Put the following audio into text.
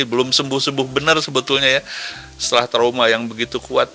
belum sembuh sembuh benar sebetulnya ya setelah trauma yang begitu kuat